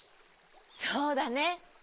そうだね。